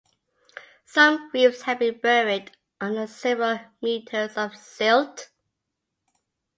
Some reefs have been buried under several metres of silt.